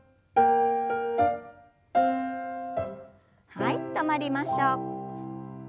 はい止まりましょう。